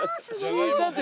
しーちゃんって。